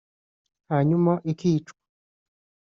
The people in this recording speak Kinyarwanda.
hanyuma ikicwa